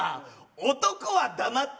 男は黙って。